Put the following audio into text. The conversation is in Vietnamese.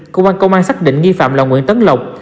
công an công an xác định nghi phạm là nguyễn tấn lộc